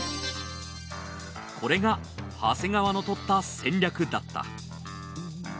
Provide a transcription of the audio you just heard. これが長谷川のとった戦略だった。